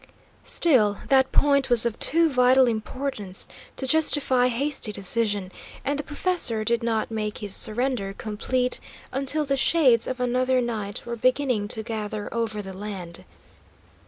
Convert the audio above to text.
Still, that point was of too vital importance to justify hasty decision, and the professor did not make his surrender complete until the shades of another night were beginning to gather over the land.